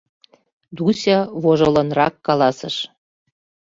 — Дуся вожылынрак каласыш.